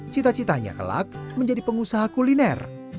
cita citanya kelak menjadi pengusaha kuliner